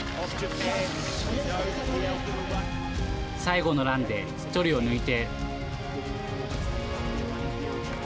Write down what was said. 最後のランで１人を抜いて。